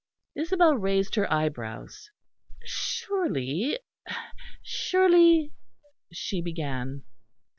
Isabel raised her eyebrows. "Surely, surely " she began.